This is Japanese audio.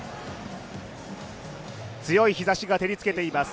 強い日ざしが照りつけています。